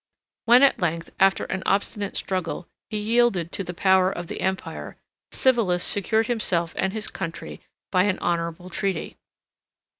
When at length, after an obstinate struggle, he yielded to the power of the empire, Civilis secured himself and his country by an honorable treaty.